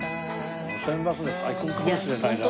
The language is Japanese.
『路線バス』で最高かもしれないな。